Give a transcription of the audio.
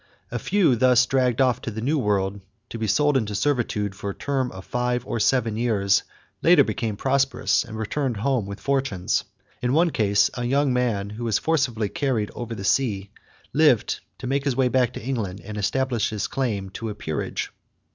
A few thus dragged off to the New World to be sold into servitude for a term of five or seven years later became prosperous and returned home with fortunes. In one case a young man who was forcibly carried over the sea lived to make his way back to England and establish his claim to a peerage.